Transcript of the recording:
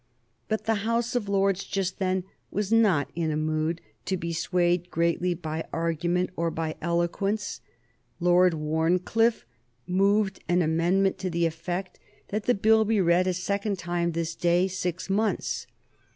But the House of Lords just then was not in a mood to be swayed greatly by argument or by eloquence. Lord Wharncliffe moved an amendment to the effect that the Bill be read a second time this day six months.